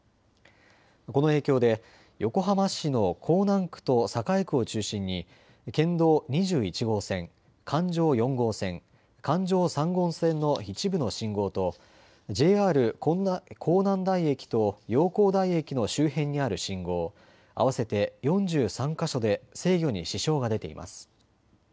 この影響で横浜市の港南区と栄区を中心に県道２１号線、環状４号線、環状３号線の一部の信号とＪＲ港南台駅と洋光台駅の周辺にある信号、合わせて４３か所で制御に支障が出ています。